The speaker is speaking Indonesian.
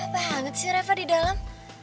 gak apa apa banget sih reva di dalam